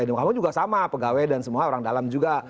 di mahkamah juga sama pegawai dan semua orang dalam juga